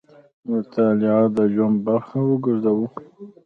مطالعه د ژوند برخه وګرځوو.